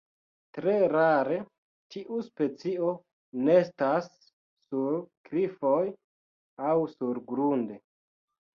Tre rare tiu specio nestas sur klifoj aŭ surgrunde.